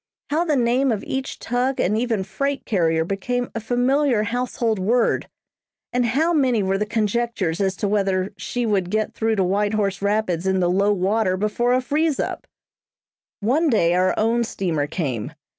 How the name of each tug and even freight carrier became a familiar household word, and how many were the conjectures as to whether "she" would get through to White Horse Rapids in the low water before a freeze up! [Illustration: A KLONDYKE CLAIM.] One day our own steamer came.